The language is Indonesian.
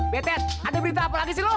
betten ada berita apa lagi sih lo